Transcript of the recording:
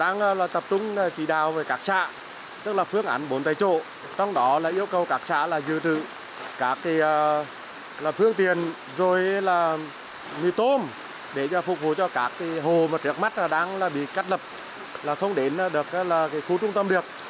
người tôm để phục vụ cho các hồ mà trước mắt đang bị cắt lập không đến được khu trung tâm được